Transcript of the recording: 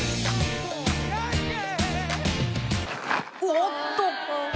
おっと！